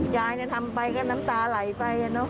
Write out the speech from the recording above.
ยายเนี่ยทำไปก็น้ำตาไหลไปเนอะ